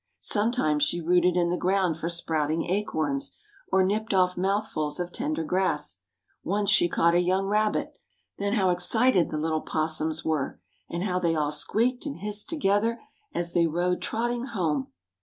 Sometimes she rooted in the ground for sprouting acorns, or nipped off mouthfuls of tender grass. Once she caught a young rabbit. Then how excited the little opossums were! And how they all squeaked and hissed together as they rode trotting home!